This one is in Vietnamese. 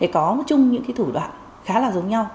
có chung những thủ đoạn khá là giống nhau